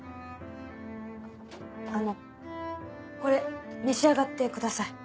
あのこれ召し上がってください。